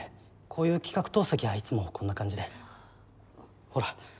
こういう企画通すときはいつもこんな感じでほら。